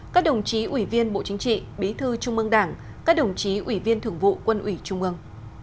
các đồng chí ủy viên bộ chính trị bí thư trung ương đảng các đồng chí ủy viên thưởng vụ quân ủy trung ương